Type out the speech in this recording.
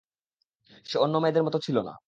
সে অন্য মেয়েদের মতো ছিল না।